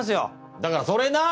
だからそれな？